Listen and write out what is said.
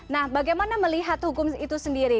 nah bagaimana melihat hukum itu sendiri